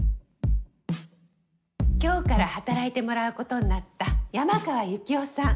今日から働いてもらうことになった山川ユキオさん。